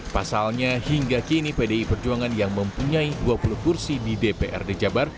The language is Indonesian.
pasalnya hingga kini pdi perjuangan yang mempunyai dua puluh kursi di dprd jabar